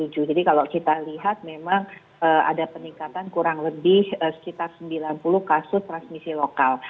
jadi kalau kita lihat memang ada peningkatan kurang lebih sekitar sembilan puluh kasus transmisi lokal